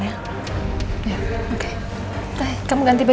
cupa facebook ma orang desa